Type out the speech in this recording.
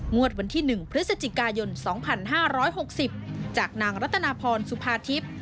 วันที่๑พฤศจิกายน๒๕๖๐จากนางรัตนาพรสุภาทิพย์